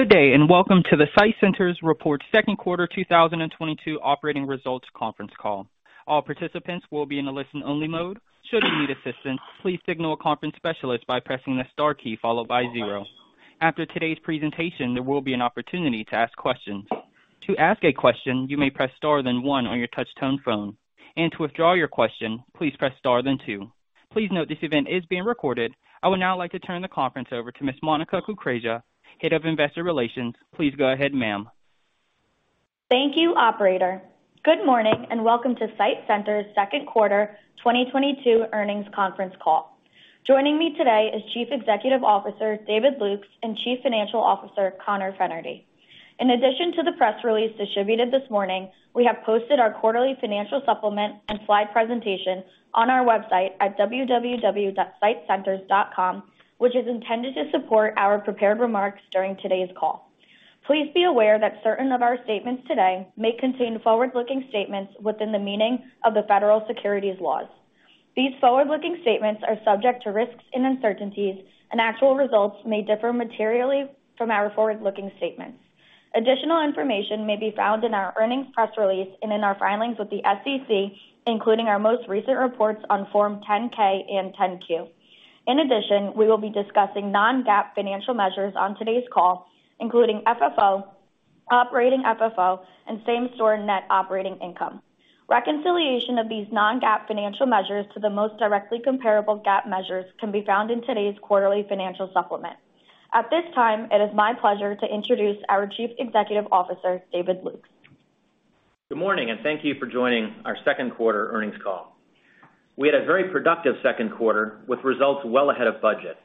Good day, and welcome to the SITE Centers second quarter 2022 operating results conference call. All participants will be in a listen-only mode. Should you need assistance, please signal a conference specialist by pressing the star key followed by zero. After today's presentation, there will be an opportunity to ask questions. To ask a question, you may press star then one on your touch tone phone, and to withdraw your question, please press star then two. Please note this event is being recorded. I would now like to turn the conference over to Ms. Monica Kukreja, Head of Investor Relations. Please go ahead, ma'am. Thank you, operator. Good morning and welcome to SITE Centers second quarter 2022 earnings conference call. Joining me today is Chief Executive Officer, David Lukes, and Chief Financial Officer, Conor Fennerty. In addition to the press release distributed this morning, we have posted our quarterly financial supplement and slide presentation on our website at www.sitecenters.com, which is intended to support our prepared remarks during today's call. Please be aware that certain of our statements today may contain forward-looking statements within the meaning of the federal securities laws. These forward-looking statements are subject to risks and uncertainties, and actual results may differ materially from our forward-looking statements. Additional information may be found in our earnings press release and in our filings with the SEC, including our most recent reports on Form 10-K and 10-Q. In addition, we will be discussing non-GAAP financial measures on today's call, including FFO, operating FFO, and same-store net operating income. Reconciliation of these non-GAAP financial measures to the most directly comparable GAAP measures can be found in today's quarterly financial supplement. At this time, it is my pleasure to introduce our Chief Executive Officer, David Lukes. Good morning, and thank you for joining our second quarter earnings call. We had a very productive second quarter with results well ahead of budget.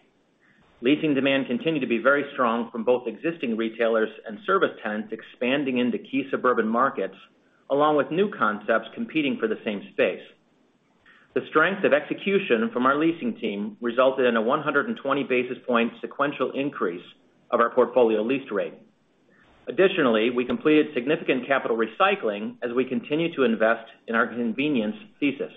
Leasing demand continued to be very strong from both existing retailers and service tenants expanding into key suburban markets, along with new concepts competing for the same space. The strength of execution from our leasing team resulted in a 100 basis point sequential increase of our portfolio lease rate. Additionally, we completed significant capital recycling as we continue to invest in our convenience thesis.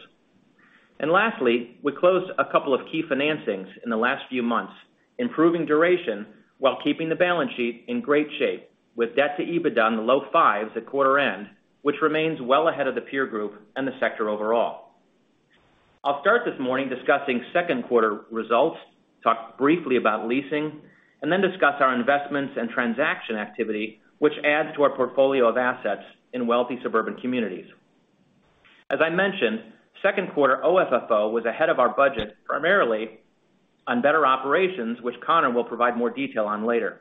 Lastly, we closed a couple of key financings in the last few months, improving duration while keeping the balance sheet in great shape with debt to EBITDA in the low-5x at quarter end, which remains well ahead of the peer group and the sector overall. I'll start this morning discussing second quarter results, talk briefly about leasing, and then discuss our investments and transaction activity, which adds to our portfolio of assets in wealthy suburban communities. As I mentioned, second quarter OFFO was ahead of our budget, primarily on better operations, which Conor will provide more detail on later.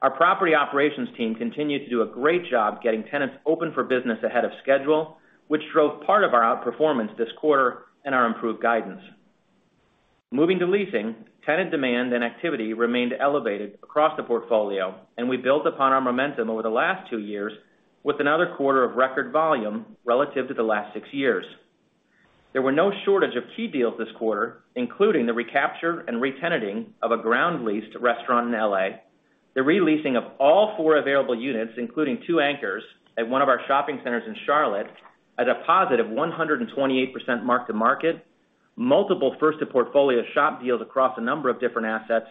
Our property operations team continued to do a great job getting tenants open for business ahead of schedule, which drove part of our outperformance this quarter and our improved guidance. Moving to leasing, tenant demand and activity remained elevated across the portfolio, and we built upon our momentum over the last two years with another quarter of record volume relative to the last six years. There were no shortage of key deals this quarter, including the recapture and re-tenanting of a ground leased restaurant in L.A., the re-leasing of all four available units, including two anchors at one of our shopping centers in Charlotte at a positive 128% mark-to-market. Multiple first to portfolio shop deals across a number of different assets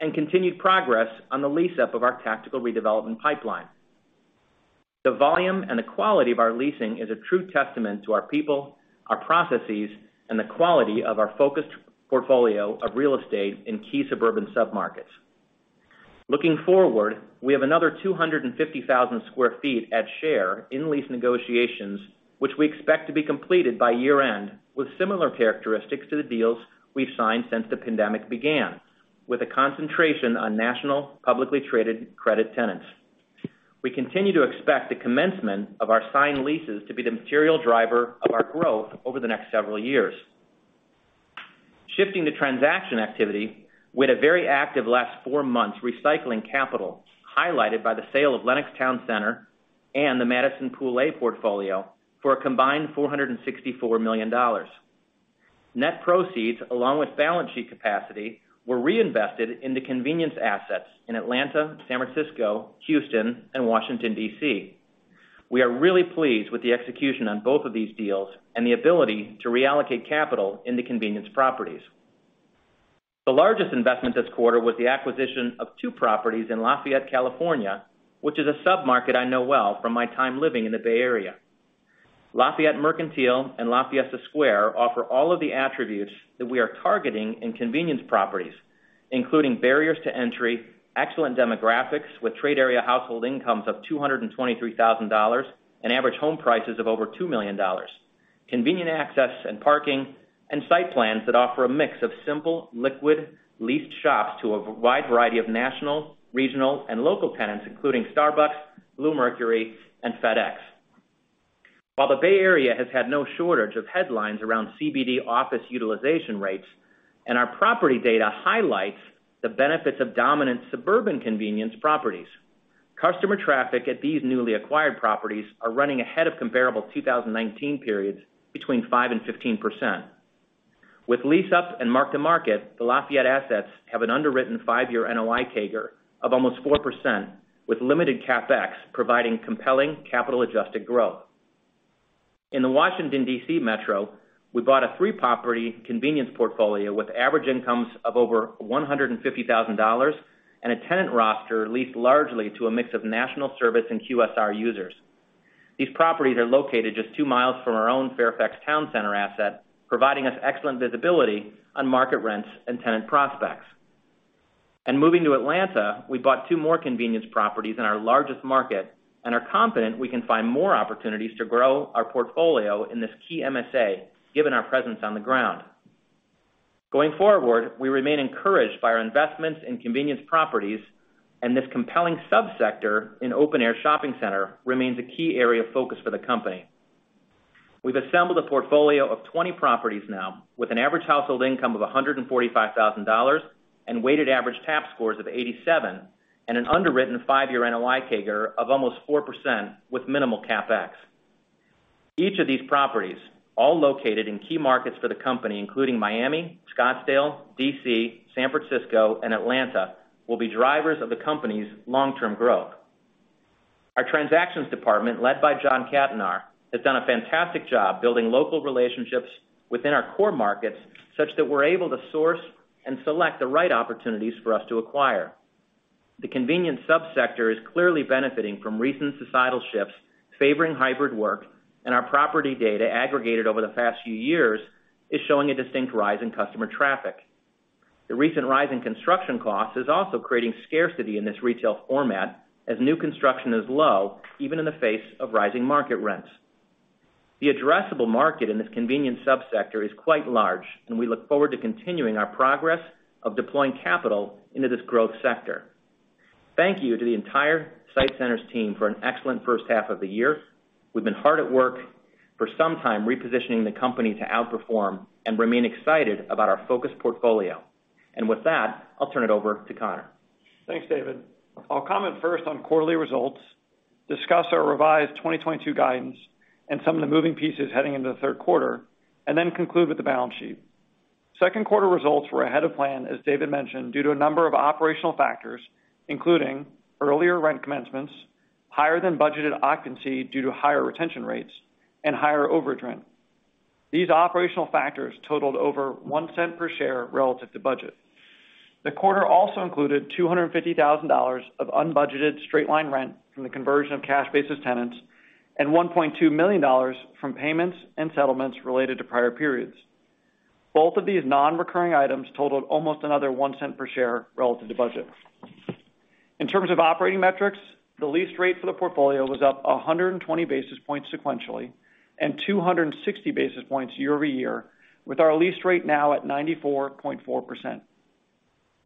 and continued progress on the lease up of our tactical redevelopment pipeline. The volume and the quality of our leasing is a true testament to our people, our processes, and the quality of our focused portfolio of real estate in key suburban submarkets. Looking forward, we have another 250,000 sq ft at SITE's share in lease negotiations, which we expect to be completed by year-end, with similar characteristics to the deals we've signed since the pandemic began, with a concentration on national publicly traded credit tenants. We continue to expect the commencement of our signed leases to be the material driver of our growth over the next several years. Shifting to transaction activity, we had a very active last four months recycling capital, highlighted by the sale of New Lenox Town Center and the Madison Pool A portfolio for a combined $464 million. Net proceeds, along with balance sheet capacity, were reinvested into convenience assets in Atlanta, San Francisco, Houston, and Washington, D.C. We are really pleased with the execution on both of these deals and the ability to reallocate capital in the convenience properties. The largest investment this quarter was the acquisition of two properties in Lafayette, California, which is a submarket I know well from my time living in the Bay Area. Lafayette Mercantile and Lafayette Square offer all of the attributes that we are targeting in convenience properties, including barriers to entry, excellent demographics with trade area household incomes of $223,000 and average home prices of over $2 million. Convenient access and parking and site plans that offer a mix of simple, liquid leased shops to a wide variety of national, regional, and local tenants, including Starbucks, Bluemercury, and FedEx. While the Bay Area has had no shortage of headlines around CBD office utilization rates, and our property data highlights the benefits of dominant suburban convenience properties, customer traffic at these newly acquired properties are running ahead of comparable 2019 periods between 5%-15%. With lease ups and mark-to-market, the Lafayette assets have an underwritten five-year NOI CAGR of almost 4%, with limited CapEx providing compelling capital-adjusted growth. In the Washington, D.C. metro, we bought a three-property convenience portfolio with average incomes of over $150,000 and a tenant roster leased largely to a mix of national service and QSR users. These properties are located just two miles from our own Fairfax Town Center asset, providing us excellent visibility on market rents and tenant prospects. Moving to Atlanta, we bought two more convenience properties in our largest market and are confident we can find more opportunities to grow our portfolio in this key MSA, given our presence on the ground. Going forward, we remain encouraged by our investments in convenience properties, and this compelling sub-sector in open air shopping center remains a key area of focus for the company. We've assembled a portfolio of 20 properties now with an average household income of $145,000 and weighted average TAP scores of 87, and an underwritten 5-year NOI CAGR of almost 4% with minimal CapEx. Each of these properties, all located in key markets for the company, including Miami, Scottsdale, D.C., San Francisco, and Atlanta, will be drivers of the company's long-term growth. Our transactions department, led by John Cattonar, has done a fantastic job building local relationships within our core markets such that we're able to source and select the right opportunities for us to acquire. The convenience sub-sector is clearly benefiting from recent societal shifts favoring hybrid work, and our property data aggregated over the past few years is showing a distinct rise in customer traffic. The recent rise in construction costs is also creating scarcity in this retail format as new construction is low, even in the face of rising market rents. The addressable market in this convenience sub-sector is quite large, and we look forward to continuing our progress of deploying capital into this growth sector. Thank you to the entire SITE Centers team for an excellent first half of the year. We've been hard at work for some time repositioning the company to outperform and remain excited about our focused portfolio. With that, I'll turn it over to Conor. Thanks, David. I'll comment first on quarterly results, discuss our revised 2022 guidance and some of the moving pieces heading into the third quarter, and then conclude with the balance sheet. Second quarter results were ahead of plan, as David mentioned, due to a number of operational factors, including earlier rent commencements, higher than budgeted occupancy due to higher retention rates, and higher overage rent. These operational factors totaled over $0.01 per share relative to budget. The quarter also included $250,000 of unbudgeted straight-line rent from the conversion of cash-basis tenants and $1.2 million from payments and settlements related to prior periods. Both of these non-recurring items totaled almost another $0.01 per share relative to budget. In terms of operating metrics, the lease rate for the portfolio was up 120 basis points sequentially and 260 basis points year-over-year, with our lease rate now at 94.4%.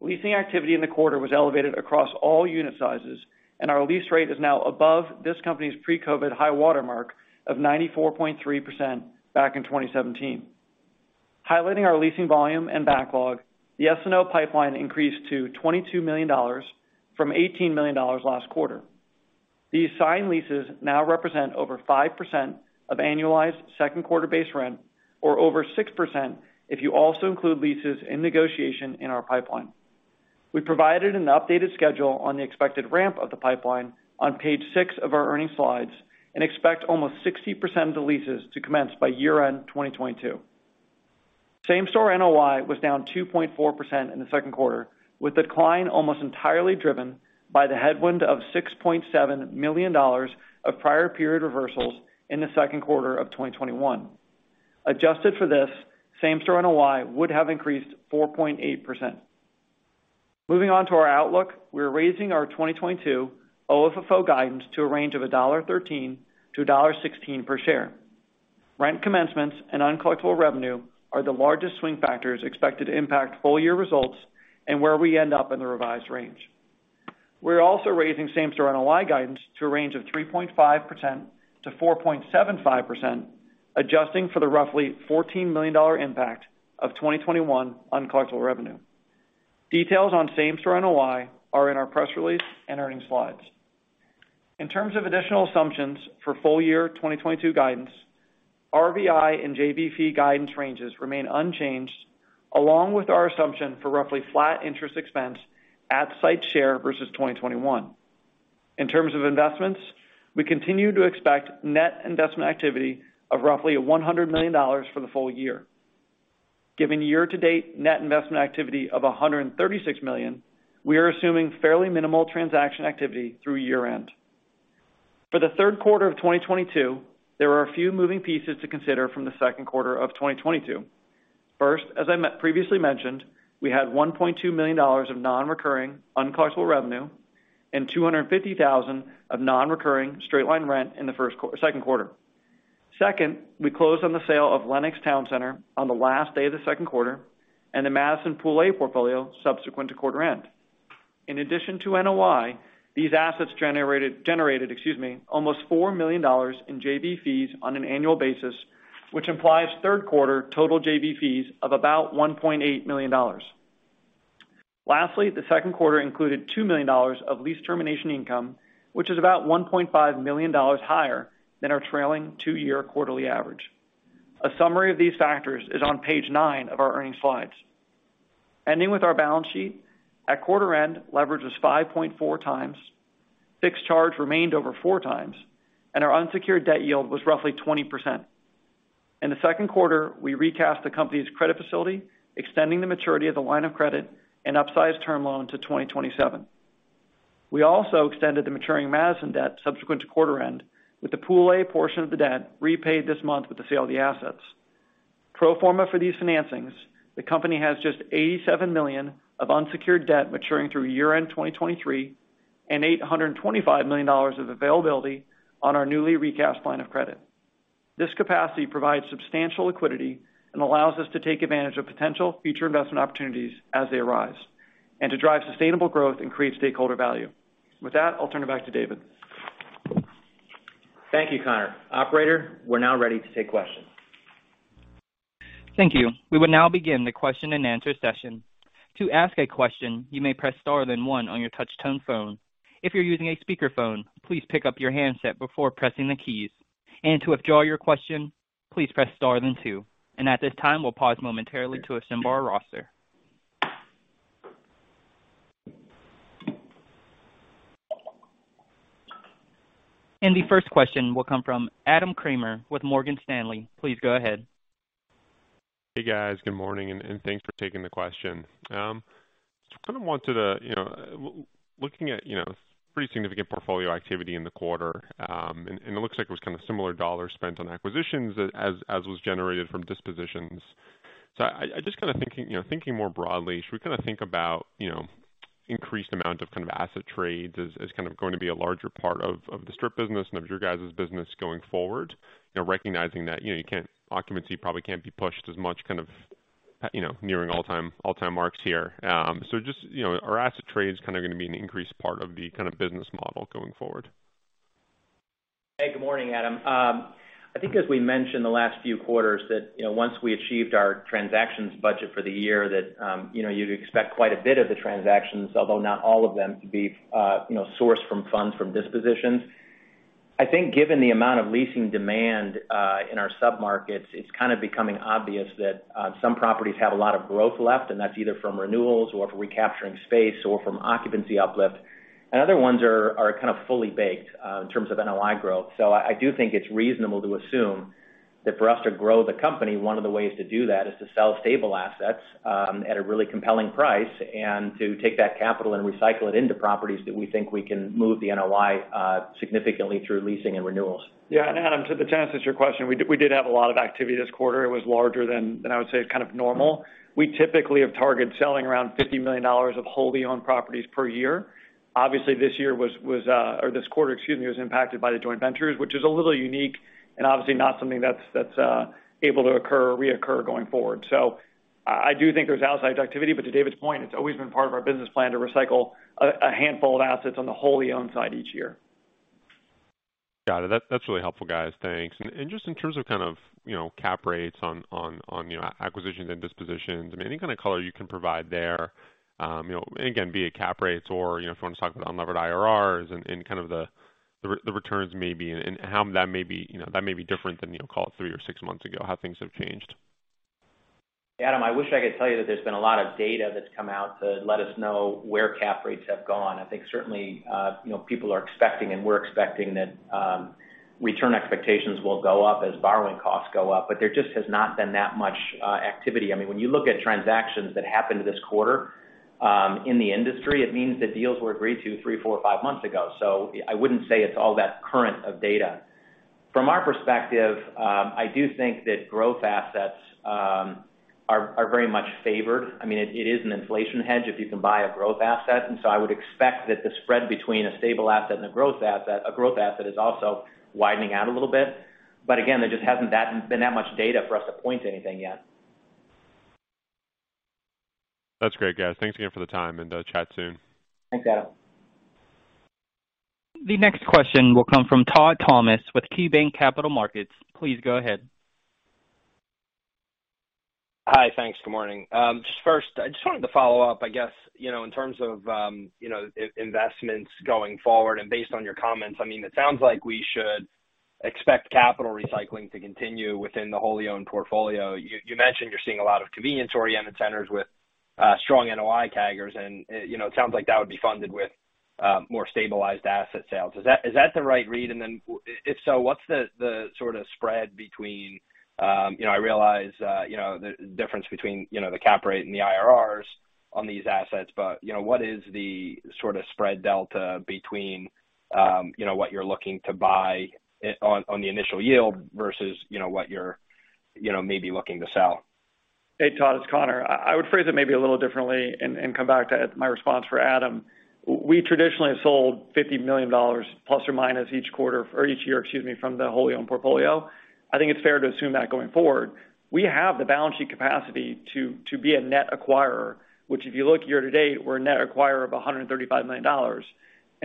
Leasing activity in the quarter was elevated across all unit sizes, and our lease rate is now above this company's pre-COVID high watermark of 94.3% back in 2017. Highlighting our leasing volume and backlog, the SNO pipeline increased to $22 million from $18 million last quarter. These signed leases now represent over 5% of annualized second quarter base rent, or over 6% if you also include leases in negotiation in our pipeline. We provided an updated schedule on the expected ramp of the pipeline on page six of our earnings slides and expect almost 60% of the leases to commence by year-end 2022. Same-store NOI was down 2.4% in the second quarter, with decline almost entirely driven by the headwind of $6.7 million of prior period reversals in the second quarter of 2021. Adjusted for this, same-store NOI would have increased 4.8%. Moving on to our outlook, we're raising our 2022 OFFO guidance to a range of $1.13-$1.16 per share. Rent commencements and uncollectible revenue are the largest swing factors expected to impact full-year results and where we end up in the revised range. We're also raising same-store NOI guidance to a range of 3.5%-4.75%, adjusting for the roughly $14 million impact of 2021 uncollectible revenue. Details on same-store NOI are in our press release and earnings slides. In terms of additional assumptions for full-year 2022 guidance, RVI and JV fee guidance ranges remain unchanged, along with our assumption for roughly flat interest expense at SITE's share versus 2021. In terms of investments, we continue to expect net investment activity of roughly $100 million for the full year. Given year-to-date net investment activity of $136 million, we are assuming fairly minimal transaction activity through year-end. For the third quarter of 2022, there are a few moving pieces to consider from the second quarter of 2022. First, as I previously mentioned, we had $1.2 million of non-recurring uncollectible revenue and $250,000 of non-recurring straight-line rent in the second quarter. Second, we closed on the sale of New Lenox Town Center on the last day of the second quarter and the Madison Pool A portfolio subsequent to quarter end. In addition to NOI, these assets generated, excuse me, almost $4 million in JV fees on an annual basis, which implies third quarter total JV fees of about $1.8 million. Lastly, the second quarter included $2 million of lease termination income, which is about $1.5 million higher than our trailing two-year quarterly average. A summary of these factors is on page nine of our earnings slides. Ending with our balance sheet. At quarter end, leverage was 5.4x. Fixed charge remained over 4x, and our unsecured debt yield was roughly 20%. In the second quarter, we recast the company's credit facility, extending the maturity of the line of credit and upsized term loan to 2027. We also extended the maturing Madison debt subsequent to quarter end with the Pool A portion of the debt repaid this month with the sale of the assets. Pro forma for these financings, the company has just $87 million of unsecured debt maturing through year-end 2023 and $825 million of availability on our newly recast line of credit. This capacity provides substantial liquidity and allows us to take advantage of potential future investment opportunities as they arise and to drive sustainable growth and create stakeholder value. With that, I'll turn it back to David. Thank you, Conor. Operator, we're now ready to take questions. Thank you. We will now begin the question-and-answer session. To ask a question, you may press star then one on your touch-tone phone. If you're using a speakerphone, please pick up your handset before pressing the keys. To withdraw your question, please press star then two. At this time, we'll pause momentarily to assemble our roster. The first question will come from Adam Kramer with Morgan Stanley. Please go ahead. Hey, guys. Good morning, and thanks for taking the question. Kind of wanted to, you know, looking at, you know, pretty significant portfolio activity in the quarter, and it looks like it was kind of similar dollars spent on acquisitions as was generated from dispositions. I just kind of thinking, you know, more broadly, should we kind of think about, you know, increased amount of kind of asset trades as kind of going to be a larger part of the strip business and of your guys' business going forward? You know, recognizing that, you know, occupancy probably can't be pushed as much kind of, you know, nearing all-time marks here. Just, you know, are asset trades kind of going to be an increased part of the kind of business model going forward? Hey, good morning, Adam. I think as we mentioned the last few quarters that, you know, once we achieved our transactions budget for the year, that, you know, you'd expect quite a bit of the transactions, although not all of them to be, you know, sourced from funds from dispositions. I think given the amount of leasing demand, in our sub-markets, it's kind of becoming obvious that, some properties have a lot of growth left, and that's either from renewals or from recapturing space or from occupancy uplift. Other ones are kind of fully baked, in terms of NOI growth. I do think it's reasonable to assume that for us to grow the company, one of the ways to do that is to sell stable assets at a really compelling price and to take that capital and recycle it into properties that we think we can move the NOI significantly through leasing and renewals. Yeah. Adam, to answer your question, we did have a lot of activity this quarter. It was larger than I would say kind of normal. We typically have targeted selling around $50 million of wholly-owned properties per year. Obviously, this year or this quarter, excuse me, was impacted by the joint ventures, which is a little unique and obviously not something that's able to occur or reoccur going forward. I do think there's upside activity. But to David's point, it's always been part of our business plan to recycle a handful of assets on the wholly-owned side each year. Got it. That's really helpful, guys. Thanks. Just in terms of kind of, you know, cap rates on, you know, acquisitions and dispositions. I mean, any kind of color you can provide there. You know, and again, be it cap rates or, you know, if you want to talk about unlevered IRRs and kind of the returns maybe and how that may be, you know, different than, you know, call it three or six months ago, how things have changed. Adam, I wish I could tell you that there's been a lot of data that's come out to let us know where cap rates have gone. I think certainly, you know, people are expecting and we're expecting that return expectations will go up as borrowing costs go up. There just has not been that much activity. I mean, when you look at transactions that happened this quarter, in the industry, it means that deals were agreed to three, four, five months ago. I wouldn't say it's all that current of data. From our perspective, I do think that growth assets are very much favored. I mean, it is an inflation hedge if you can buy a growth asset. I would expect that the spread between a stable asset and a growth asset is also widening out a little bit. Again, there just hasn't been that much data for us to point to anything yet. That's great, guys. Thanks again for the time and, chat soon. Thanks, Adam. The next question will come from Todd Thomas with KeyBanc Capital Markets. Please go ahead. Hi. Thanks. Good morning. Just first, I just wanted to follow up, I guess, you know, in terms of, you know, investments going forward. Based on your comments, I mean, it sounds like we should expect capital recycling to continue within the wholly-owned portfolio. You mentioned you're seeing a lot of convenience-oriented centers with strong NOI CAGRs, and, you know, it sounds like that would be funded with more stabilized asset sales. Is that the right read? If so, what's the sort of spread between, you know, I realize, you know, the difference between, you know, the cap rate and the IRRs on these assets. You know, what is the sort of spread delta between, you know, what you're looking to buy on the initial yield versus, you know, what you're, you know, maybe looking to sell? Hey, Todd, it's Conor. I would phrase it maybe a little differently and come back to my response for Adam. We traditionally have sold $50 million± each quarter or each year, excuse me, from the wholly-owned portfolio. I think it's fair to assume that going forward. We have the balance sheet capacity to be a net acquirer. Which if you look year to date, we're a net acquirer of $135 million.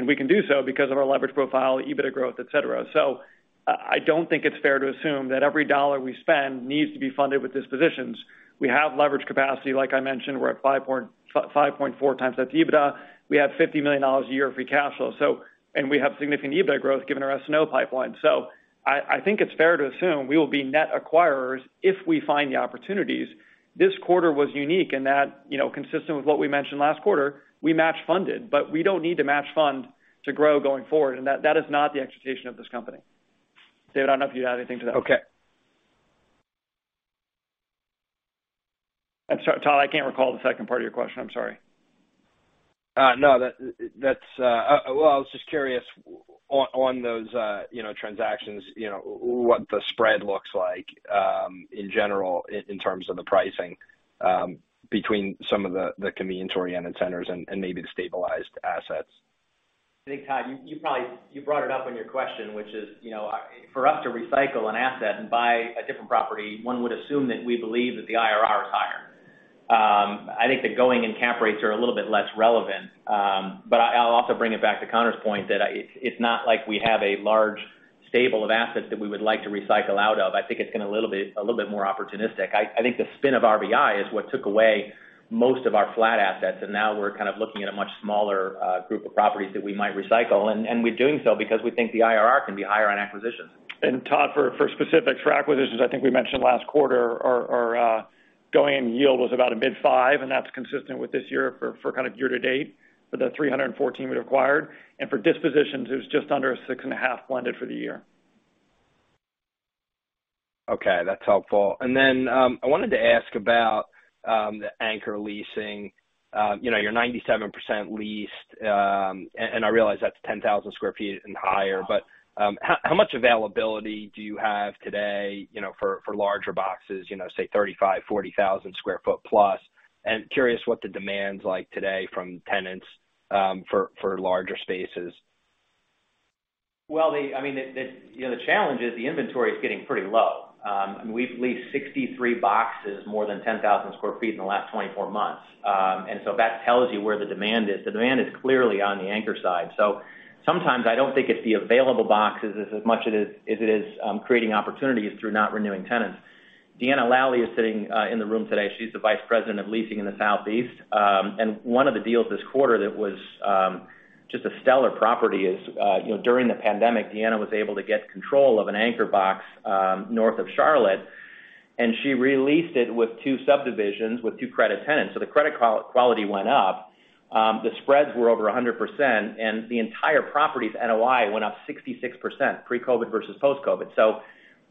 We can do so because of our leverage profile, EBITDA growth, et cetera. I don't think it's fair to assume that every dollar we spend needs to be funded with dispositions. We have leverage capacity. Like I mentioned, we're at 5.4x that's EBITDA. We have $50 million a year of free cash flow. We have significant EBITDA growth given our SNO pipeline. I think it's fair to assume we will be net acquirers if we find the opportunities. This quarter was unique in that, you know, consistent with what we mentioned last quarter, we match funded. We don't need to match fund to grow going forward. That is not the expectation of this company. David, I don't know if you'd add anything to that. Okay. I'm sorry, Todd, I can't recall the second part of your question. I'm sorry. No, that's... Well, I was just curious on those, you know, transactions, you know, what the spread looks like, in general, in terms of the pricing, between some of the convenience-oriented centers and maybe the stabilized assets. I think, Todd, you probably brought it up in your question, which is, you know, for us to recycle an asset and buy a different property, one would assume that we believe that the IRR is higher. I think the going-in cap rates are a little bit less relevant. But I'll also bring it back to Conor's point that it's not like we have a large stable of assets that we would like to recycle out of. I think it's been a little bit more opportunistic. I think the spin-off of RVI is what took away most of our flawed assets, and now we're kind of looking at a much smaller group of properties that we might recycle. We're doing so because we think the IRR can be higher on acquisitions. Todd, for specific track acquisitions, I think we mentioned last quarter our going-in yield was about a mid-5%, and that's consistent with this year for kind of year to date for the $314 million we acquired. For dispositions, it was just under a 6.5% blended for the year. Okay, that's helpful. I wanted to ask about the anchor leasing. You know, you're 97% leased. I realize that's 10,000 sq ft and higher. How much availability do you have today, you know, for larger boxes, you know, say 35,000-40,000+ sq ft? Curious what the demand's like today from tenants for larger spaces. Well, I mean, you know, the challenge is the inventory is getting pretty low. We've leased 63 boxes more than 10,000 sq ft in the last 24 months. That tells you where the demand is. The demand is clearly on the anchor side. Sometimes I don't think it's the available boxes as much as it is creating opportunities through not renewing tenants. Deanna Lelli is sitting in the room today. She's the Vice President of Leasing in the Southeast. One of the deals this quarter that was just a stellar property is, you know, during the pandemic, Deanna was able to get control of an anchor box north of Charlotte, and she re-leased it with two subdivisions with two credit tenants. The credit quality went up. The spreads were over 100%, and the entire property's NOI went up 66% pre-COVID versus post-COVID.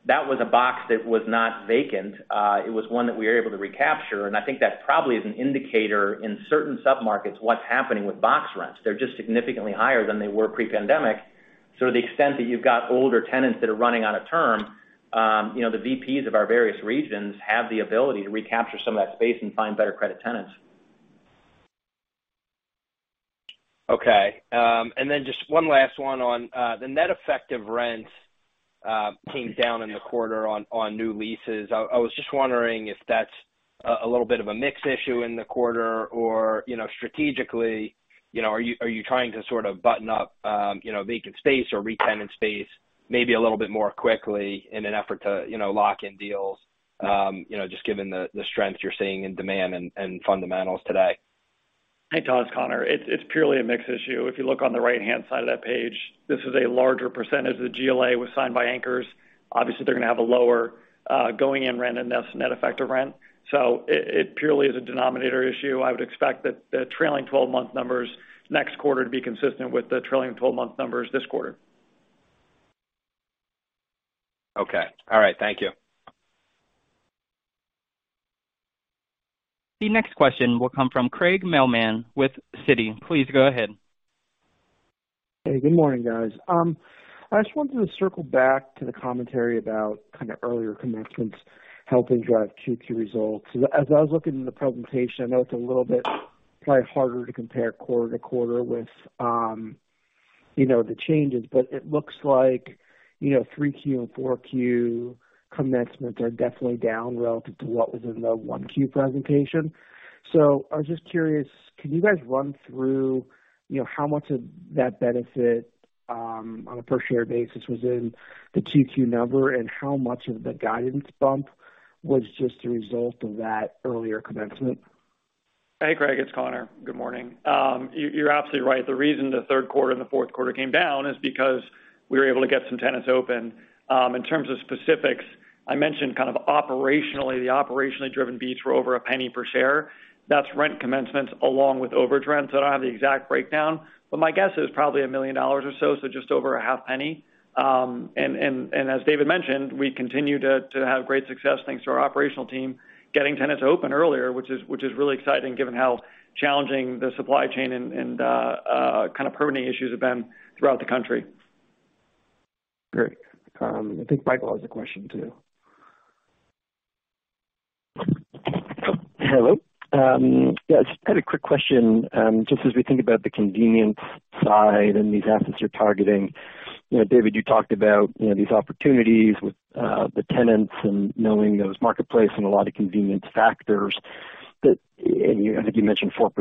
That was a box that was not vacant. It was one that we were able to recapture. I think that probably is an indicator in certain sub-markets what's happening with box rents. They're just significantly higher than they were pre-pandemic. To the extent that you've got older tenants that are running out of term, you know, the VPs of our various regions have the ability to recapture some of that space and find better credit tenants. Okay. Just one last one on the net effective rents came down in the quarter on new leases. I was just wondering if that's a little bit of a mix issue in the quarter or, you know, strategically, you know, are you trying to sort of button up, you know, vacant space or re-tenant space maybe a little bit more quickly in an effort to, you know, lock in deals, you know, just given the strength you're seeing in demand and fundamentals today. Hey, Todd, it's Conor. It's purely a mix issue. If you look on the right-hand side of that page, this is a larger percentage of the GLA was signed by anchors. Obviously, they're gonna have a lower going in rent and thus net effective rent. It purely is a denominator issue. I would expect that the trailing 12-month numbers next quarter to be consistent with the trailing 12-month numbers this quarter. Okay. All right. Thank you. The next question will come from Craig Mailman with Citi. Please go ahead. Hey, good morning, guys. I just wanted to circle back to the commentary about kind of earlier commencements helping drive Q2 results. As I was looking in the presentation, I know it's a little bit probably harder to compare quarter to quarter with, you know, the changes, but it looks like, you know, 3Q and 4Q commencements are definitely down relative to what was in the 1Q presentation. I was just curious, can you guys run through, you know, how much of that benefit, on a per share basis was in the Q2 number, and how much of the guidance bump was just a result of that earlier commencement? Hey, Craig. It's Conor. Good morning. You, you're absolutely right. The reason the third quarter and the fourth quarter came down is because we were able to get some tenants open. In terms of specifics, I mentioned kind of operationally, the operationally driven beats were over $0.01 per share. That's rent commencements along with overage rent. I don't have the exact breakdown, but my guess is probably $1 million or so just over $0.005. And as David mentioned, we continue to have great success thanks to our operational team getting tenants open earlier, which is really exciting given how challenging the supply chain and kind of permitting issues have been throughout the country. Great. I think Michael has a question too. Hello. Yeah, just had a quick question, just as we think about the convenience side and these assets you're targeting. You know, David, you talked about, you know, these opportunities with the tenants and knowing those marketplace and a lot of convenience factors and you, I think you mentioned 4%,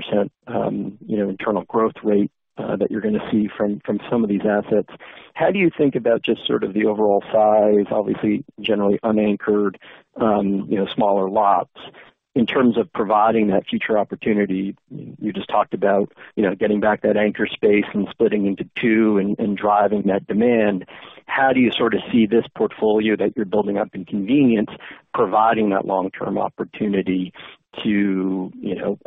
you know, internal growth rate that you're gonna see from some of these assets. How do you think about just sort of the overall size, obviously generally unanchored, you know, smaller lots in terms of providing that future opportunity? You just talked about, you know, getting back that anchor space and splitting into two and driving that demand. How do you sort of see this portfolio that you're building up in convenience providing that long-term opportunity to, you know,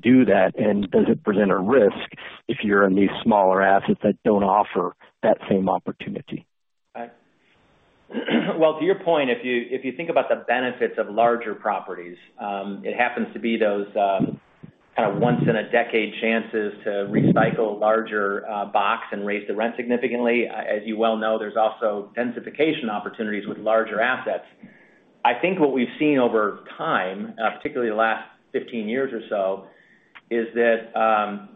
do that? Does it present a risk if you're in these smaller assets that don't offer that same opportunity? Well, to your point, if you think about the benefits of larger properties, it happens to be those kind of once in a decade chances to recycle larger box and raise the rent significantly. As you well know, there's also densification opportunities with larger assets. I think what we've seen over time, particularly the last 15 years or so, is that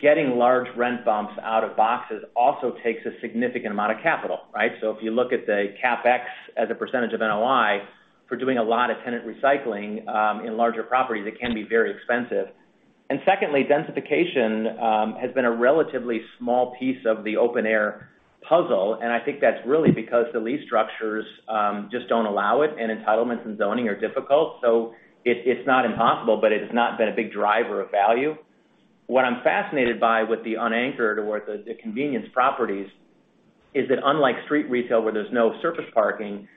getting large rent bumps out of boxes also takes a significant amount of capital, right? So if you look at the CapEx as a percentage of NOI for doing a lot of tenant recycling in larger properties, it can be very expensive. Secondly, densification has been a relatively small piece of the open air puzzle, and I think that's really because the lease structures just don't allow it and entitlements and zoning are difficult. It's not impossible, but it has not been a big driver of value. What I'm fascinated by with the unanchored or the convenience properties is that unlike street retail where there's no surface parking,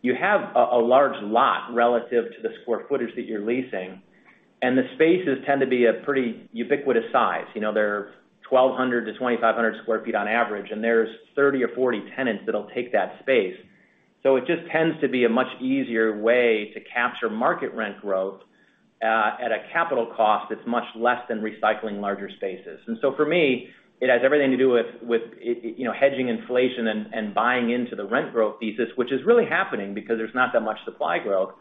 you have a large lot relative to the square footage that you're leasing, and the spaces tend to be a pretty ubiquitous size. You know, they're 1,200-2,500 sq ft on average, and there's 30 or 40 tenants that'll take that space. It just tends to be a much easier way to capture market rent growth at a capital cost that's much less than recycling larger spaces. For me, it has everything to do with you know, hedging inflation and buying into the rent growth thesis, which is really happening because there's not that much supply growth,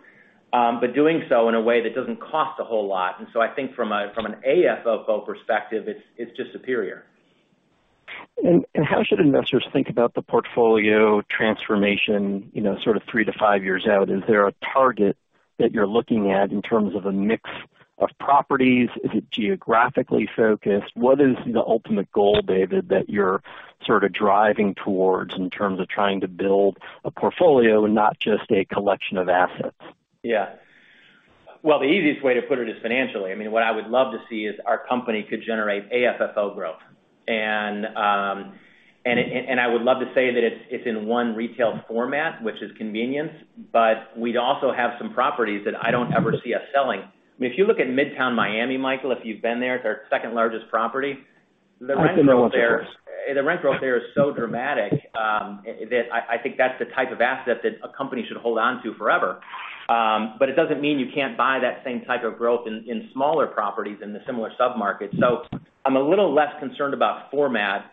but doing so in a way that doesn't cost a whole lot. I think from an AFFO perspective, it's just superior. How should investors think about the portfolio transformation, you know, sort of three to five years out? Is there a target that you're looking at in terms of a mix of properties? Is it geographically focused? What is the ultimate goal, David, that you're sort of driving towards in terms of trying to build a portfolio and not just a collection of assets? Yeah. Well, the easiest way to put it is financially. I mean, what I would love to see is our company could generate AFFO growth. I would love to say that it's in one retail format, which is convenience, but we'd also have some properties that I don't ever see us selling. I mean, if you look at Midtown Miami, Michael, if you've been there, it's our second largest property. The rent growth there. I've been there once or twice. The rent growth there is so dramatic that I think that's the type of asset that a company should hold on to forever. It doesn't mean you can't buy that same type of growth in smaller properties in the similar submarkets. I'm a little less concerned about format.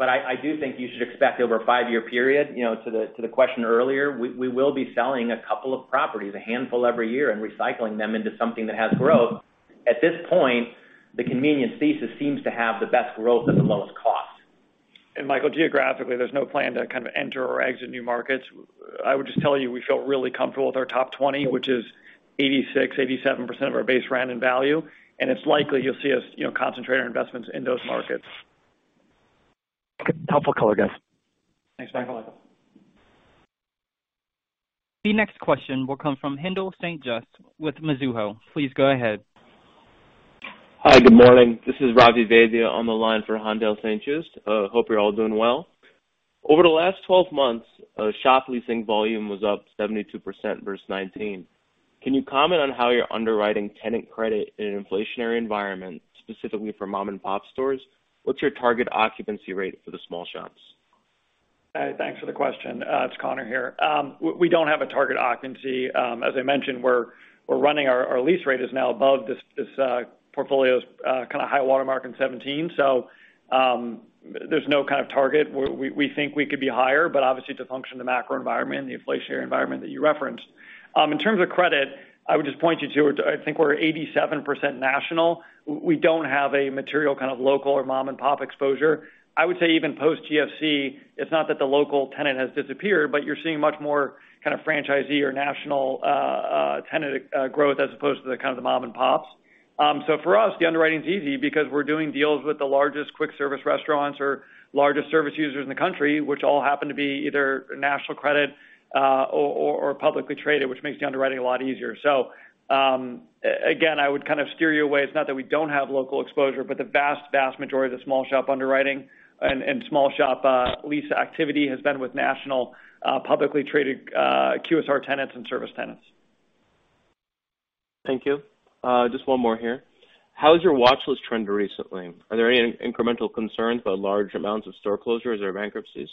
I do think you should expect over a five-year period, you know, to the question earlier, we will be selling a couple of properties, a handful every year, and recycling them into something that has growth. At this point, the convenience thesis seems to have the best growth at the lowest cost. Michael, geographically, there's no plan to kind of enter or exit new markets. I would just tell you, we feel really comfortable with our top 20, which is 86%-87% of our base rent in value, and it's likely you'll see us, you know, concentrate our investments in those markets. Helpful color, guys. Thanks, Michael. The next question will come from Haendel St. Juste with Mizuho. Please go ahead. Hi, good morning. This is Ravi Vaidya on the line for Haendel St. Juste. Hope you're all doing well. Over the last 12 months, shop leasing volume was up 72% versus 2019. Can you comment on how you're underwriting tenant credit in an inflationary environment, specifically for mom-and-pop stores? What's your target occupancy rate for the small shops? Thanks for the question. It's Conor here. We don't have a target occupancy. As I mentioned, we're running our lease rate is now above this portfolio's kind of high water mark in 2017. There's no kind of target. We think we could be higher, but obviously it's a function of the macro environment and the inflationary environment that you referenced. In terms of credit, I would just point you to, I think we're 87% national. We don't have a material kind of local or mom-and-pop exposure. I would say even post GFC, it's not that the local tenant has disappeared, but you're seeing much more kind of franchisee or national tenant growth as opposed to the kind of the mom-and-pops. For us, the underwriting is easy because we're doing deals with the largest quick service restaurants or largest service users in the country, which all happen to be either national credit or publicly traded, which makes the underwriting a lot easier. Again, I would kind of steer you away. It's not that we don't have local exposure, but the vast majority of the small shop underwriting and small shop lease activity has been with national publicly traded QSR tenants and service tenants. Thank you. Just one more here. How has your watchlist trended recently? Are there any incremental concerns about large amounts of store closures or bankruptcies?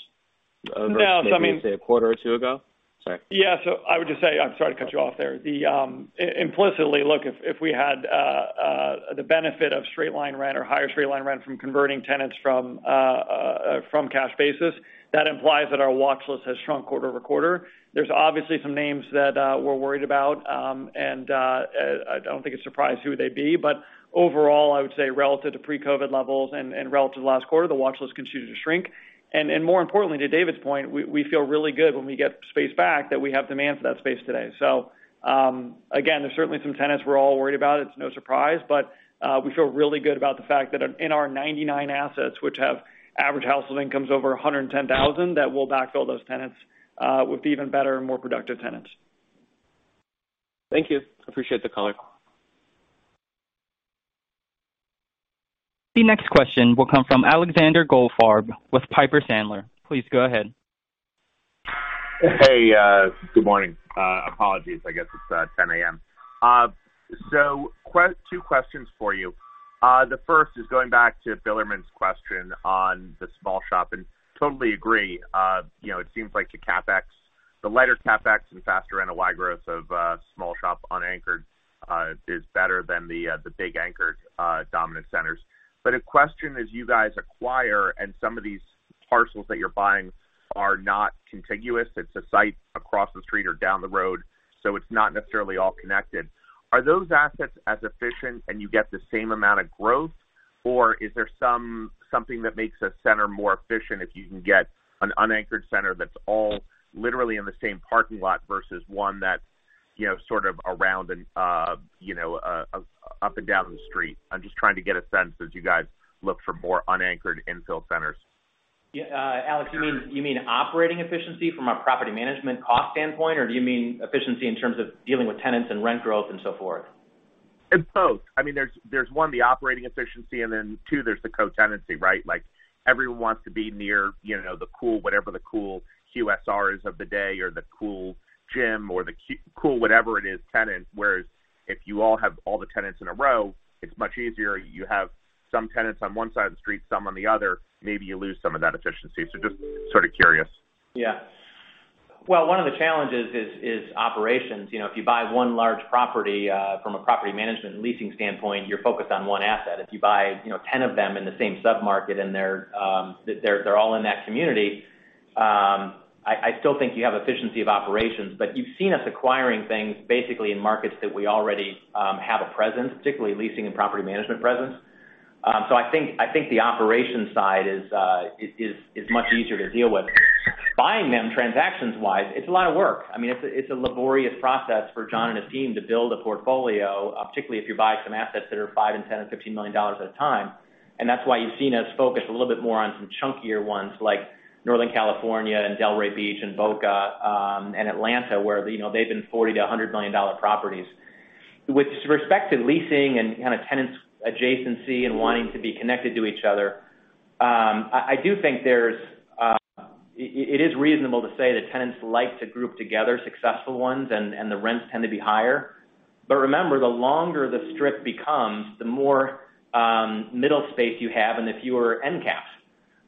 No. I mean— Maybe say a quarter or two ago? Sorry. Yeah. I would just say I'm sorry to cut you off there. Implicitly, look, if we had the benefit of straight-line rent or higher straight-line rent from converting tenants from cash basis, that implies that our watchlist has shrunk quarter-over-quarter. There's obviously some names that we're worried about, and I don't think it's a surprise who they'd be. But overall, I would say relative to pre-COVID levels and relative to last quarter, the watchlist continues to shrink. More importantly, to David's point, we feel really good when we get space back that we have demand for that space today. Again, there's certainly some tenants we're all worried about. It's no surprise. We feel really good about the fact that in our 99 assets, which have average household incomes over $110,000, that we'll backfill those tenants with even better, more productive tenants. Thank you. Appreciate the color. The next question will come from Alexander Goldfarb with Piper Sandler. Please go ahead. Hey, good morning. Apologies, I guess it's 10 A.M. Two questions for you. The first is going back to Bilerman's question on the small shop, and totally agree. You know, it seems like the CapEx, the lighter CapEx and faster NOI growth of small shop unanchored is better than the big anchored dominant centers. A question as you guys acquire and some of these parcels that you're buying are not contiguous, it's a site across the street or down the road, so it's not necessarily all connected. Are those assets as efficient and you get the same amount of growth? Or is there something that makes a center more efficient if you can get an unanchored center that's all literally in the same parking lot versus one that you know sort of around and you know up and down the street? I'm just trying to get a sense as you guys look for more unanchored infill centers. Yeah. Alex, you mean operating efficiency from a property management cost standpoint? Or do you mean efficiency in terms of dealing with tenants and rent growth and so forth? It's both. I mean, there's one, the operating efficiency, and then two, there's the co-tenancy, right? Like, everyone wants to be near, you know, the cool, whatever the cool QSR is of the day or the cool gym or the cool whatever it is tenant. Whereas if you all have all the tenants in a row, it's much easier. You have some tenants on one side of the street, some on the other, maybe you lose some of that efficiency. So just sort of curious. Yeah. Well, one of the challenges is operations. You know, if you buy one large property from a property management and leasing standpoint, you're focused on one asset. If you buy, you know, 10 of them in the same submarket, and they're all in that community, I still think you have efficiency of operations. You've seen us acquiring things basically in markets that we already have a presence, particularly leasing and property management presence. I think the operations side is much easier to deal with. Buying them transactions-wise, it's a lot of work. I mean, it's a laborious process for John and his team to build a portfolio, particularly if you're buying some assets that are $5 million, $10 million, and $15 million at a time. That's why you've seen us focus a little bit more on some chunkier ones like Northern California and Delray Beach and Boca, and Atlanta, where they've been $40 million-$100 million properties. With respect to leasing and kind of tenants' adjacency and wanting to be connected to each other, it is reasonable to say that tenants like to group together successful ones and the rents tend to be higher. Remember, the longer the strip becomes, the more middle space you have and the fewer end caps.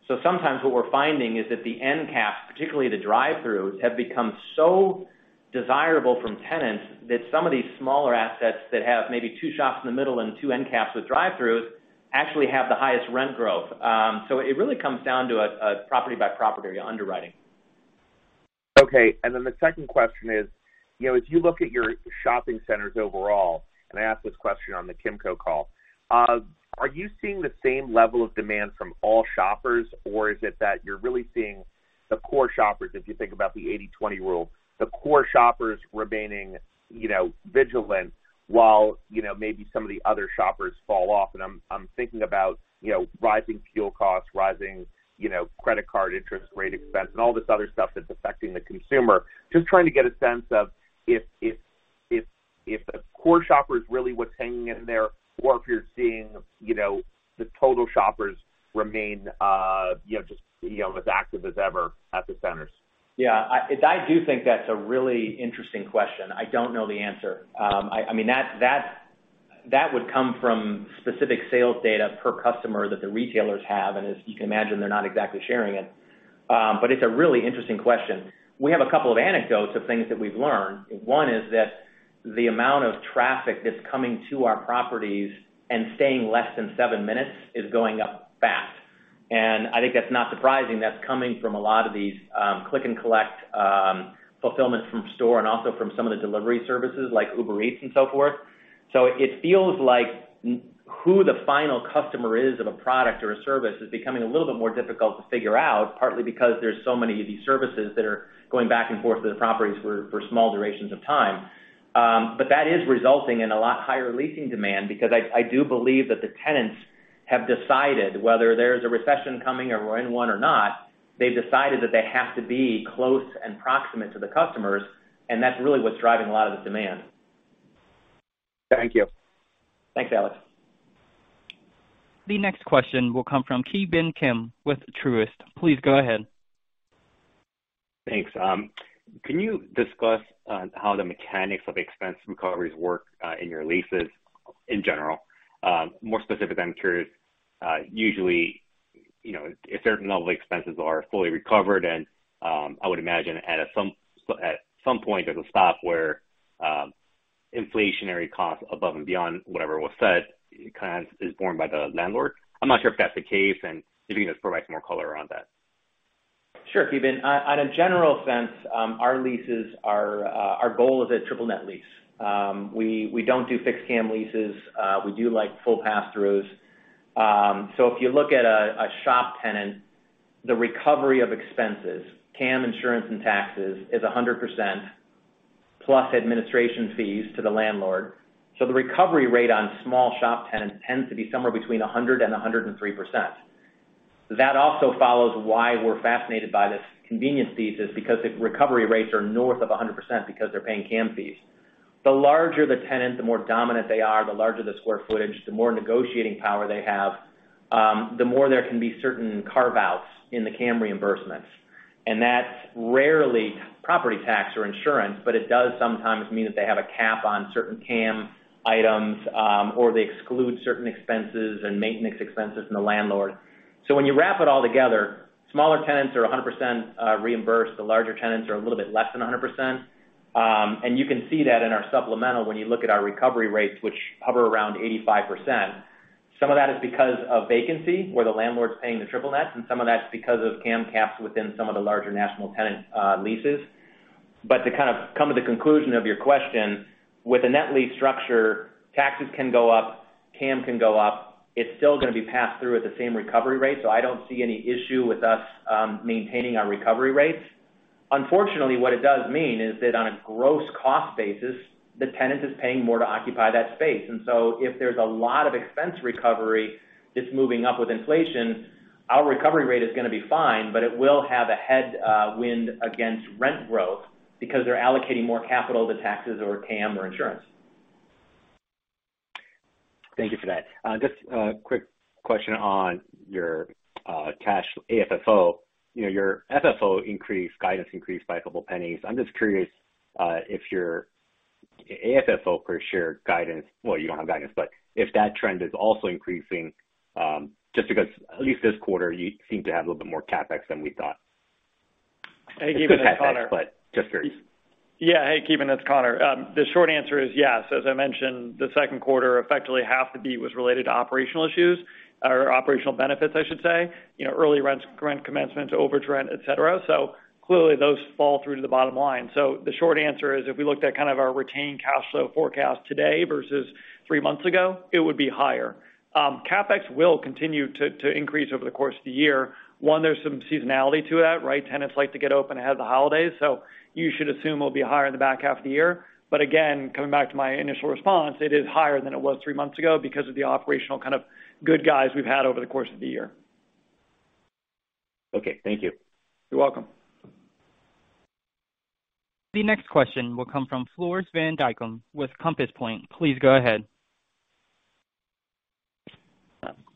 Sometimes what we're finding is that the end caps, particularly the drive-throughs, have become so desirable to tenants that some of these smaller assets that have maybe two shops in the middle and two end caps with drive-throughs actually have the highest rent growth. It really comes down to a property-by-property underwriting. Okay. Then the second question is, you know, if you look at your shopping centers overall, and I asked this question on the Kimco Realty call, are you seeing the same level of demand from all shoppers, or is it that you're really seeing the core shoppers, if you think about the 80/20 rule, the core shoppers remaining, you know, vigilant while, you know, maybe some of the other shoppers fall off? I'm thinking about, you know, rising fuel costs, rising, you know, credit card interest rate expense and all this other stuff that's affecting the consumer. Just trying to get a sense of if the core shopper is really what's hanging in there or if you're seeing, you know, the total shoppers remain, you know, just, you know, as active as ever at the centers. Yeah. I do think that's a really interesting question. I don't know the answer. I mean, that would come from specific sales data per customer that the retailers have. As you can imagine, they're not exactly sharing it. It's a really interesting question. We have a couple of anecdotes of things that we've learned. One is that the amount of traffic that's coming to our properties and staying less than seven minutes is going up fast. I think that's not surprising. That's coming from a lot of these, click-and-collect, fulfillment from store and also from some of the delivery services like Uber Eats and so forth. It feels like who the final customer is of a product or a service is becoming a little bit more difficult to figure out, partly because there's so many of these services that are going back and forth to the properties for small durations of time. That is resulting in a lot higher leasing demand because I do believe that the tenants have decided whether there's a recession coming or we're in one or not, they've decided that they have to be close and proximate to the customers, and that's really what's driving a lot of the demand. Thank you. Thanks, Alex. The next question will come from Ki Bin Kim with Truist. Please go ahead. Thanks. Can you discuss how the mechanics of expense recoveries work in your leases in general? More specific, I'm curious, usually, you know, a certain level of expenses are fully recovered, and I would imagine at some point, there's a stop where inflationary costs above and beyond whatever was set kind of is borne by the landlord. I'm not sure if that's the case and if you can just provide some more color around that. Sure, Ki Bin. In a general sense, our goal is a triple net lease. We don't do fixed CAM leases. We do like full pass-throughs. If you look at a shop tenant, the recovery of expenses, CAM, insurance, and taxes is 100%, plus administration fees to the landlord. The recovery rate on small shop tenants tends to be somewhere between 100% and 103%. That also follows why we're fascinated by this convenience thesis because the recovery rates are north of 100% because they're paying CAM fees. The larger the tenant, the more dominant they are, the larger the square footage, the more negotiating power they have, the more there can be certain carve-outs in the CAM reimbursements. That's rarely property tax or insurance, but it does sometimes mean that they have a cap on certain CAM items, or they exclude certain expenses and maintenance expenses from the landlord. When you wrap it all together, smaller tenants are 100% reimbursed. The larger tenants are a little bit less than 100%. You can see that in our supplemental when you look at our recovery rates, which hover around 85%. Some of that is because of vacancy, where the landlord's paying the triple net, and some of that's because of CAM caps within some of the larger national tenant leases. To kind of come to the conclusion of your question, with a net lease structure, taxes can go up, CAM can go up. It's still gonna be passed through at the same recovery rate. I don't see any issue with us maintaining our recovery rates. Unfortunately, what it does mean is that on a gross cost basis, the tenant is paying more to occupy that space. If there's a lot of expense recovery that's moving up with inflation, our recovery rate is gonna be fine, but it will have a headwind against rent growth because they're allocating more capital to taxes or CAM or insurance. Thank you for that. Just a quick question on your cash AFFO. You know, your FFO guidance increase by a couple pennies. I'm just curious if your AFFO per share guidance. Well, you don't have guidance, but if that trend is also increasing, just because at least this quarter, you seem to have a little bit more CapEx than we thought. Hey, Ki Bin, it's Conor. Just curious. Yeah. Hey, Ki Bin Kim, it's Conor. The short answer is yes. As I mentioned, the second quarter, effectively half the beat was related to operational issues or operational benefits, I should say. You know, early rents, rent commencement, overage rent, et cetera. Clearly, those fall through to the bottom line. The short answer is, if we looked at kind of our retained cash flow forecast today versus three months ago, it would be higher. CapEx will continue to increase over the course of the year. One, there's some seasonality to that, right? Tenants like to get open ahead of the holidays, so you should assume it'll be higher in the back half of the year. Again, coming back to my initial response, it is higher than it was three months ago because of the operational kind of good gains we've had over the course of the year. Okay, thank you. You're welcome. The next question will come from Floris van Dijkum with Compass Point. Please go ahead.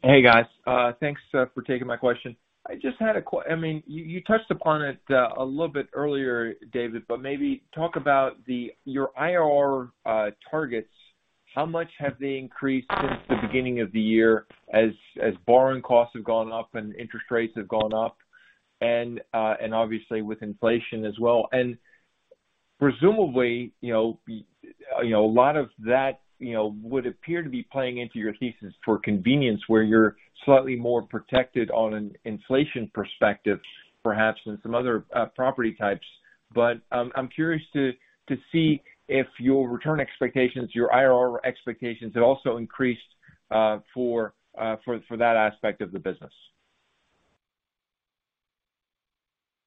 Hey, guys. Thanks for taking my question. I mean, you touched upon it a little bit earlier, David, but maybe talk about your IRR targets. How much have they increased since the beginning of the year as borrowing costs have gone up and interest rates have gone up, and obviously with inflation as well? And presumably, you know, a lot of that would appear to be playing into your thesis for convenience, where you're slightly more protected on an inflation perspective, perhaps than some other property types. But I'm curious to see if your return expectations, your IRR expectations have also increased for that aspect of the business.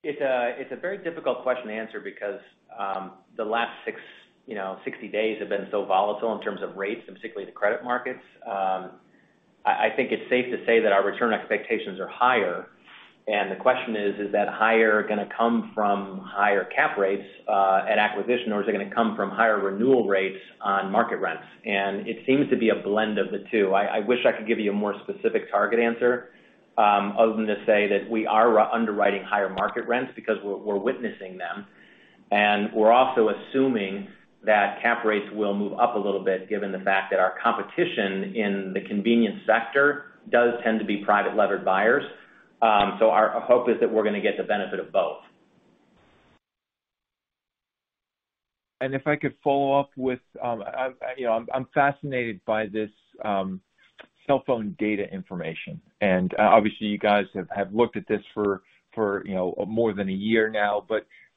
It's a very difficult question to answer because the last 60 days have been so volatile in terms of rates, and particularly the credit markets. I think it's safe to say that our return expectations are higher. The question is that higher gonna come from higher cap rates at acquisition, or is it gonna come from higher renewal rates on market rents? It seems to be a blend of the two. I wish I could give you a more specific target answer other than to say that we are underwriting higher market rents because we're witnessing them. We're also assuming that cap rates will move up a little bit, given the fact that our competition in the convenience sector does tend to be private leveraged buyers. Our hope is that we're gonna get the benefit of both. If I could follow up with, you know, I'm fascinated by this cell phone data information. Obviously, you guys have looked at this for, you know, more than a year now.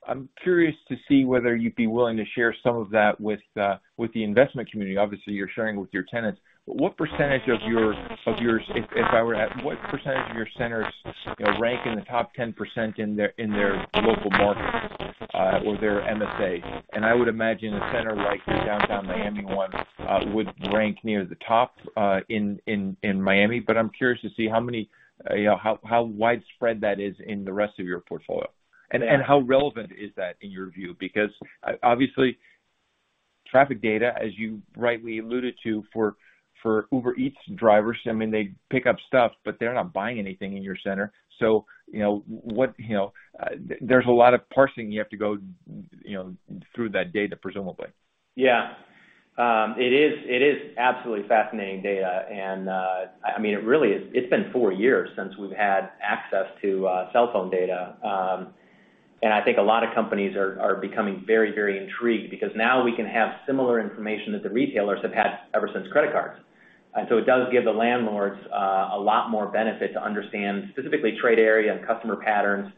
I'm curious to see whether you'd be willing to share some of that with the investment community. Obviously, you're sharing with your tenants. What percentage of your? If I were to ask, what percentage of your centers, you know, rank in the top 10% in their local market, or their MSA? I would imagine a center like the downtown Miami one would rank near the top in Miami. I'm curious to see how widespread that is in the rest of your portfolio. Yeah. How relevant is that in your view? Because obviously, traffic data, as you rightly alluded to, for Uber Eats drivers, I mean, they pick up stuff, but they're not buying anything in your center. You know, there's a lot of parsing you have to go, you know, through that data, presumably. Yeah. It is absolutely fascinating data. I mean, it really is. It's been four years since we've had access to cell phone data. I think a lot of companies are becoming very intrigued because now we can have similar information that the retailers have had ever since credit cards. It does give the landlords a lot more benefit to understand specifically trade area and customer patterns.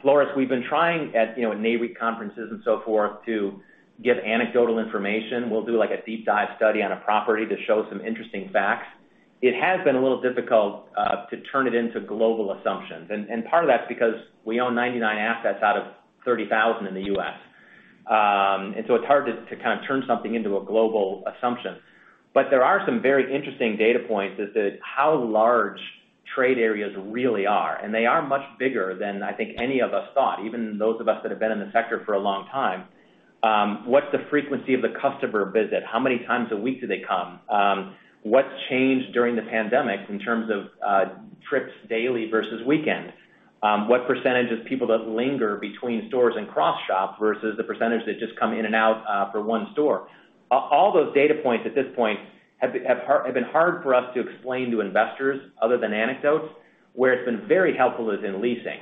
Floris, we've been trying at, you know, NAIOP conferences and so forth to give anecdotal information. We'll do, like, a deep dive study on a property to show some interesting facts. It has been a little difficult to turn it into global assumptions. Part of that is because we own 99 assets out of 30,000 in the U.S. It's hard to kind of turn something into a global assumption. There are some very interesting data points as to how large trade areas really are, and they are much bigger than I think any of us thought, even those of us that have been in the sector for a long time. What's the frequency of the customer visit? How many times a week do they come? What's changed during the pandemic in terms of trips daily versus weekend? What percentage of people that linger between stores and cross shop versus the percentage that just come in and out for one store? All those data points at this point have been hard for us to explain to investors other than anecdotes. Where it's been very helpful is in leasing,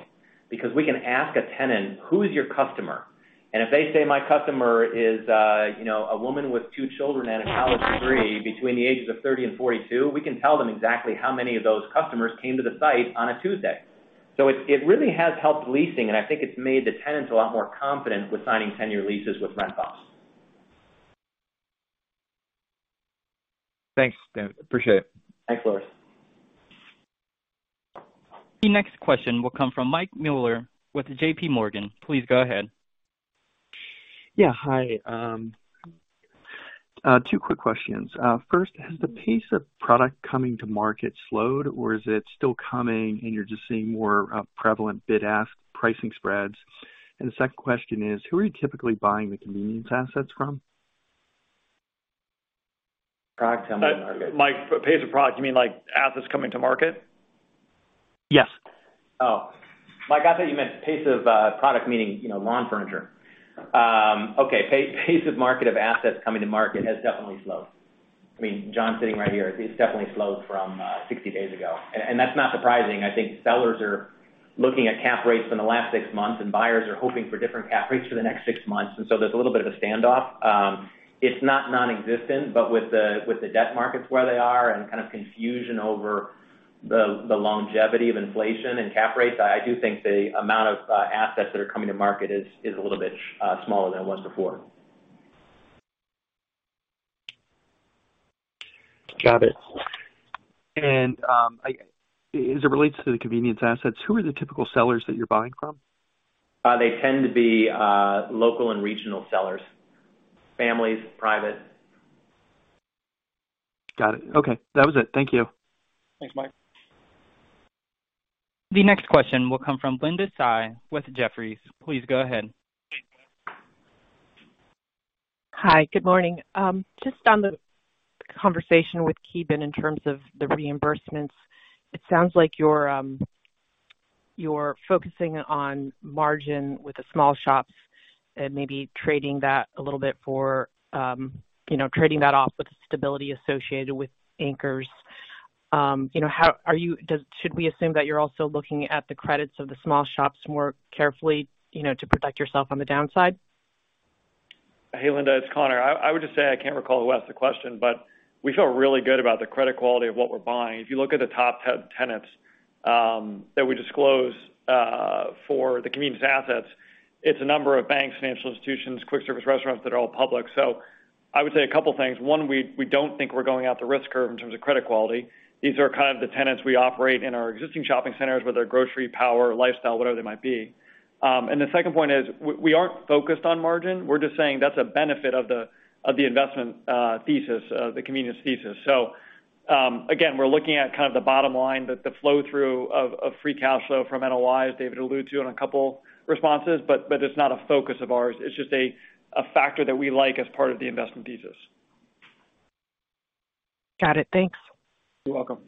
because we can ask a tenant, "Who is your customer?" If they say, "My customer is a woman with two children and a college degree between the ages of 30 and 42," we can tell them exactly how many of those customers came to the site on a Tuesday. It really has helped leasing, and I think it's made the tenants a lot more confident with signing 10-year leases with rent bumps. Thanks, David. Appreciate it. Thanks, Floris. The next question will come from Mike Mueller with JPMorgan Chase. Please go ahead. Yeah. Hi. Two quick questions. First, has the pace of product coming to market slowed, or is it still coming and you're just seeing more prevalent bid-ask pricing spreads? The second question is, who are you typically buying the convenience assets from? Products coming to market. Mike, pace of product, you mean like assets coming to market? Yes. Oh. Mike, I thought you meant pace of product meaning, you know, lawn furniture. Okay. Pace of market of assets coming to market has definitely slowed. I mean, John's sitting right here. It's definitely slowed from 60 days ago. And that's not surprising. I think sellers are looking at cap rates in the last six months, and buyers are hoping for different cap rates for the next six months, and so there's a little bit of a standoff. It's not nonexistent, but with the debt markets where they are and kind of confusion over the longevity of inflation and cap rates, I do think the amount of assets that are coming to market is a little bit smaller than it was before. Got it. As it relates to the convenience assets, who are the typical sellers that you're buying from? They tend to be local and regional sellers. Families, private. Got it. Okay. That was it. Thank you. Thanks, Mike. The next question will come from Linda Tsai with Jefferies. Please go ahead. Hey, good morning. Just on the conversation with Ki Bin in terms of the reimbursements, it sounds like you're focusing on margin with the small shops and maybe trading that a little bit for, you know, trading that off with the stability associated with anchors. You know, should we assume that you're also looking at the credits of the small shops more carefully, you know, to protect yourself on the downside? Hey, Linda, it's Conor. I would just say I can't recall who asked the question, but we feel really good about the credit quality of what we're buying. If you look at the top tenants that we disclose for the convenience assets, it's a number of banks, financial institutions, quick service restaurants that are all public. I would say a couple things. One, we don't think we're going out the risk curve in terms of credit quality. These are kind of the tenants we operate in our existing shopping centers, whether grocery, power, lifestyle, whatever they might be. The second point is, we aren't focused on margin. We're just saying that's a benefit of the investment thesis, of the convenience thesis. Again, we're looking at kind of the bottom line, the flow through of free cash flow from NOI, as David alluded to in a couple responses, but it's not a focus of ours. It's just a factor that we like as part of the investment thesis. Got it. Thanks. You're welcome.